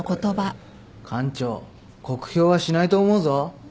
館長酷評はしないと思うぞ。